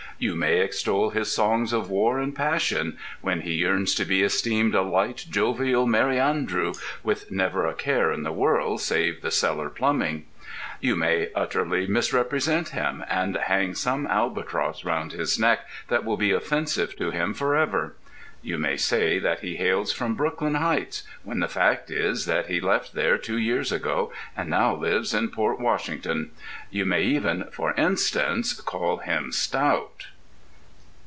You may extol his songs of war and passion when he yearns to be esteemed a light, jovial merryandrew with never a care in the world save the cellar plumbing. You may utterly misrepresent him, and hang some albatross round his neck that will be offensive to him forever. You may say that he hails from Brooklyn Heights when the fact is that he left there two years ago and now lives in Port Washington. You may even (for instance) call him stout....